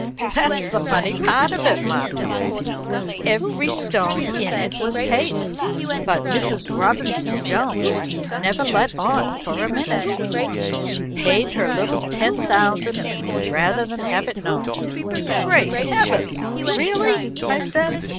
"That's the funny part of it," laughed Holmes. "Every stone in it was paste, but Mrs. Robinson Jones never let on for a minute. She paid her little ten thousand rather than have it known." "Great Heavens! really?" I said.